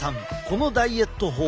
このダイエット法